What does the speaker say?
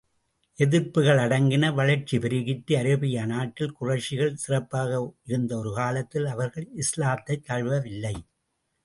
எதிர்ப்புகள் அடங்கின வளர்ச்சி பெருகிற்று அரேபியா நாட்டில், குறைஷிகள் சிறப்பாக இருந்த ஒரு காலத்தில், அவர்கள் இஸ்லாத்தைத் தழுவவில்லை.